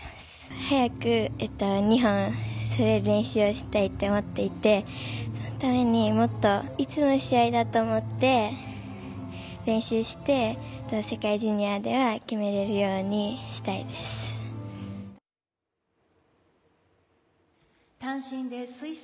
早く２本する練習をしたいと思っていてそのために、もっといつも試合だと思って練習をして世界ジュニアでは決められるようにしたいです。